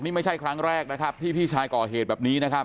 นี่ไม่ใช่ครั้งแรกนะครับที่พี่ชายก่อเหตุแบบนี้นะครับ